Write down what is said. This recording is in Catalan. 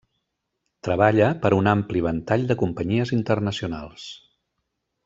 Treballa per a un ampli ventall de companyies internacionals.